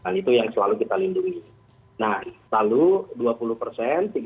nah itu yang selalu kita lindungi